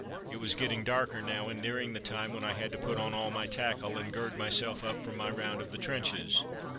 It was getting darker now, and nearing the time when I had to put on all my tackle, and gird myself up for my round of the trenches.